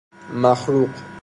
مخروق